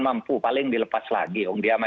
mampu paling dilepas lagi